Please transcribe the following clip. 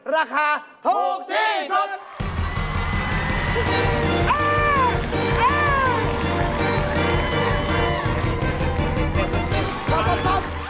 ราคาถูกที่สุด